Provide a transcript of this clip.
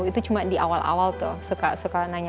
itu cuma di awal awal tuh suka nanya nanya kayak gitu ya